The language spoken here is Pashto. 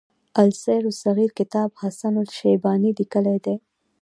السير الصغير کتاب حسن الشيباني ليکی دی.